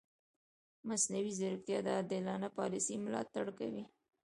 مصنوعي ځیرکتیا د عادلانه پالیسي ملاتړ کوي.